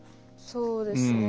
そうですね